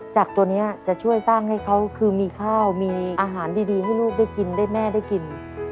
จากตัวนี้จะช่วยสร้างให้เขาคือมีข้าวมีอาหารดีให้ลูกได้กินได้แม่ได้กิน